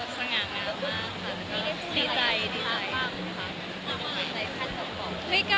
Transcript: สวัสดีค่ะ